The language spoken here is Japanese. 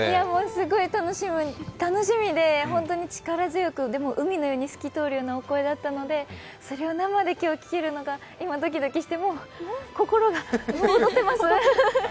すごい楽しみで、本当に力強く、でも海のように透き通る歌声だったので、それを生で今日聴けるのが、今、ドキドキしてもう心が、躍ってます。